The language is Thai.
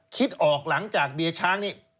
คิดออกหลังจากเบียร์ช้างนี้